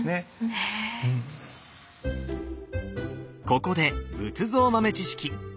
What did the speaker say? ここで仏像豆知識。